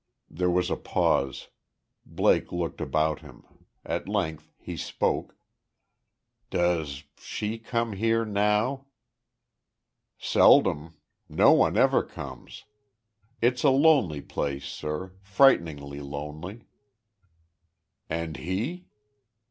There was a pause. Blake looked about him. At length he spoke: "Does she come here, now?" "Seldom. No one else ever comes. It's a lonely place, sir frightfully lonely." "And he?"